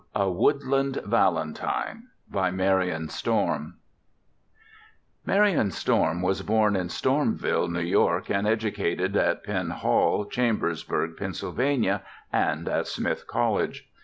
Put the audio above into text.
A WOODLAND VALENTINE By MARIAN STORM Marian Storm was born in Stormville, N. Y., and educated at Penn Hall, Chambersburg, Pa., and at Smith College.